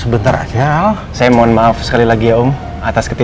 penyakit jadi tentu